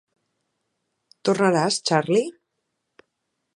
Tornaràs, Charley?